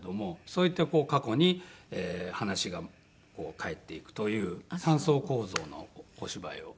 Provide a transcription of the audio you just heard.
そういった過去に話が返っていくという３層構造のお芝居を。